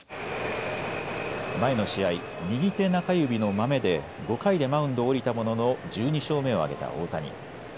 前の試合、右手中指のまめで５回でマウンドを降りたものの１２勝目を挙げた大谷。